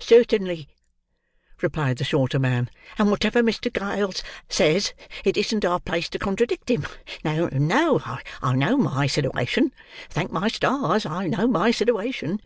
"Certainly," replied the shorter man; "and whatever Mr. Giles says, it isn't our place to contradict him. No, no, I know my sitiwation! Thank my stars, I know my sitiwation."